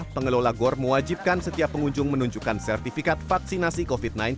pengelola gor mewajibkan setiap pengunjung menunjukkan sertifikat vaksinasi covid sembilan belas